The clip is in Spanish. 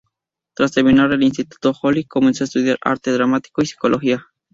Tras terminar el instituto, Holly comenzó a estudiar arte dramático y psicología.